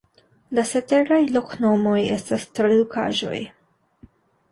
La ceteraj loknomoj estas tradukaĵoj.